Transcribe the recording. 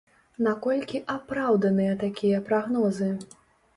Наколькі апраўданыя такія прагнозы?